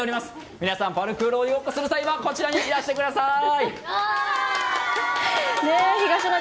皆さんパルクール鬼ごっこをする際はこちらにお越しください。